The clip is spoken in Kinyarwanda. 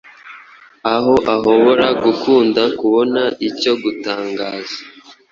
Aho ahobora gukunda kubona icyo gutangaza,